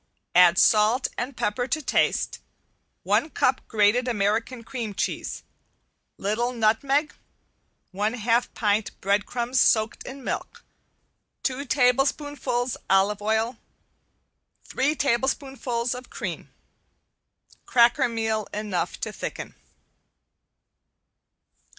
Add salt and pepper to taste, one cup grated American cream cheese, little nutmeg, one half pint breadcrumbs soaked in milk, two tablespoonfuls olive oil, three tablespoonfuls of cream. Cracker meal enough to thicken.